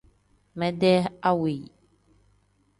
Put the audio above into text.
Mede awe.